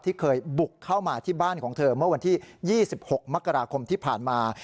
ที่เคยบุกเข้ามาที่บ้านของเธอเมื่อวันที่๒๖มกราคมที่ผ่านมา